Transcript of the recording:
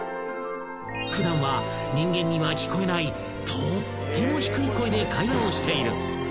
［普段は人間には聞こえないとっても低い声で会話をしている］